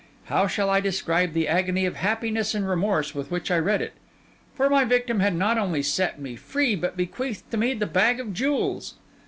How shall I describe the agony of happiness and remorse with which I read it! for my victim had not only set me free, but bequeathed to me the bag of jewels.